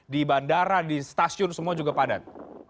di bandara di stasiun semua juga padat